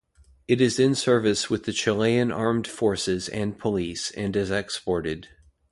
It is in service with the Chilean armed forces and police and is exported.